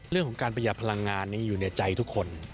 เรื่องของการประหยัดพลังงานนี่อยู่ในใจทุกคน